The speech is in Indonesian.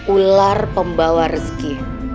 ular pembawa rezeki